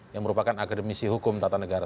yang merupakan akademisi hukum tata negara